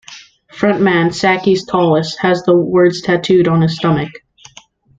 Frontman Sakis Tolis has the words tattooed on his stomach.